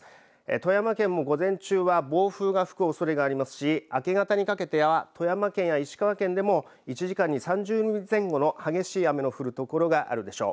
富山県も午前中では暴風が吹くおそれがありますし明け方にかけては和歌山県や石川県でも１時間に３０ミリ前後の激しい雨の降るところがあるでしょう。